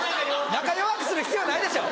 中弱くする必要ないでしょ。